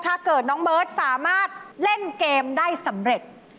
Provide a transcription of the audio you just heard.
ถ้าเกิดน้องเบิร์ตสามารถเล่นเกมได้สำเร็จ